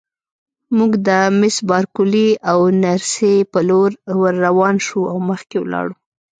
موږ د مس بارکلي او نرسې په لور ورروان شوو او مخکې ولاړو.